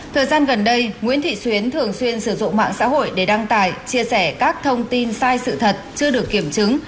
thời gian gần đây nguyễn thị xuyến thường xuyên sử dụng mạng xã hội để đăng tải chia sẻ các thông tin sai sự thật chưa được kiểm chứng